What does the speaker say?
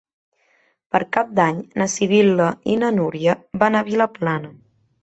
Per Cap d'Any na Sibil·la i na Núria van a Vilaplana.